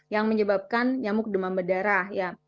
yang menyebabkan nyamuk demam berdarah ya